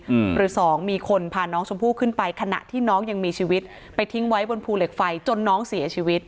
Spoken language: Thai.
หรือสองมีคนพาน้องชมพู่ขึ้นไปขณะที่น้องยังมีชีวิตไปทิ้งไว้บนภูเหล็กไฟจนน้องเสียชีวิต